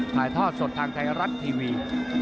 ถ่ายทอดสดทางไทยรัฐทีวี